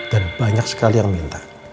dan banyak sekali yang minta